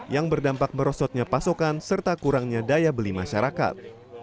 yang berdampak merosotnya pasokan serta kurangnya daya beli masyarakat